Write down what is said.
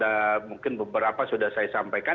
dan mungkin beberapa sudah saya sampaikan